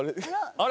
あれ？